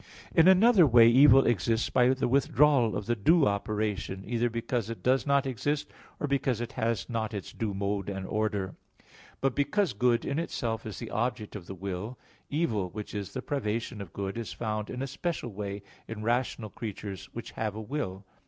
In another way evil exists by the withdrawal of the due operation, either because it does not exist, or because it has not its due mode and order. But because good in itself is the object of the will, evil, which is the privation of good, is found in a special way in rational creatures which have a will.